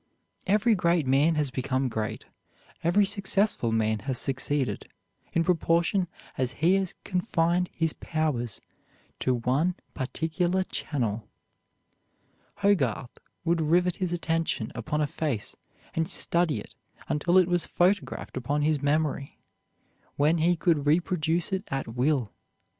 Every great man has become great, every successful man has succeeded, in proportion as he has confined his powers to one particular channel. Hogarth would rivet his attention upon a face and study it until it was photographed upon his memory, when he could reproduce it at will.